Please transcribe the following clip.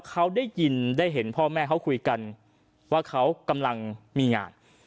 เขาได้ยินได้เห็นพ่อแม่เขาคุยกันว่าเขากำลังมีงาน